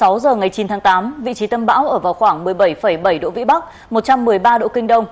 một mươi sáu giờ ngày chín tháng tám vị trí tâm bão ở vào khoảng một mươi bảy bảy độ vĩ bắc một trăm một mươi ba độ kinh đông